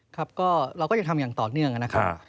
ครับก็เราก็ยังทำอย่างต่อเนื่องนะครับ